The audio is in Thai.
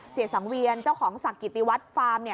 สังเวียนเจ้าของศักดิ์กิติวัตรฟาร์ม